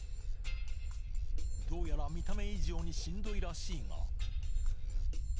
どうやら見た目以上にしんどいらしいが。